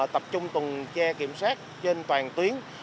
tập trung tuần che kiểm soát trên toàn tuyến